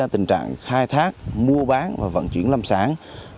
tình trạng khai thác mua bán và vận chuyển lâm sản